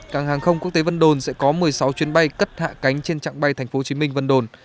cảng hàng không quốc tế vân đồn sẽ có một mươi sáu chuyến bay cất hạ cánh trên trạng bay tp hcm vân đồn